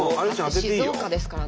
静岡ですからね。